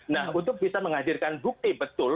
nah untuk bisa menghadirkan bukti betul